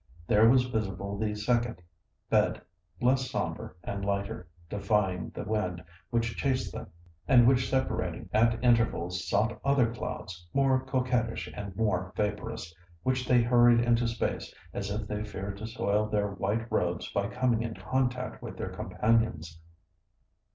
There was visible the second bed, less sombre and lighter, defying the wind which chased them, and which separating at intervals sought other clouds, more coquettish and more vaporous, which they hurried into space, as if they feared to soil their white robes by coming in contact with their companions.